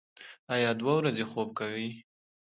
ایا د ورځې خوب کوئ؟